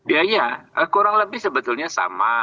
ya iya kurang lebih sebetulnya sama